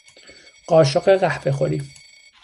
قاشق قهوه خوری